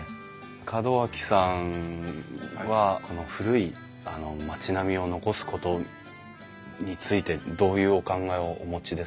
門脇さんはこの古い町並みを残すことについてどういうお考えをお持ちですか？